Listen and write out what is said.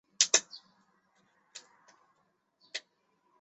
鲤城街道是中国福建省莆田市仙游县下辖的一个街道。